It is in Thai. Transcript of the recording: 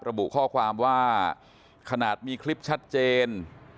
ระบุข้อความว่าขนาดมีคลิปชัดเจน